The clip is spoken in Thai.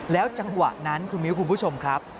จังหวะนั้นคุณมิ้วคุณผู้ชมครับ